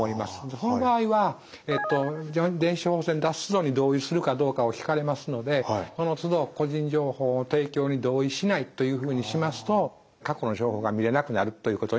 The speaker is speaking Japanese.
その場合は電子処方箋を出すのに同意するかどうかを聞かれますのでそのつど個人情報の提供に同意しないというふうにしますと過去の情報が見れなくなるということになります。